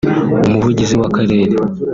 Umuvugizi w’Akarere